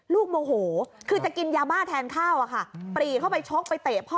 โมโหคือจะกินยาบ้าแทนข้าวอะค่ะปรีเข้าไปชกไปเตะพ่อ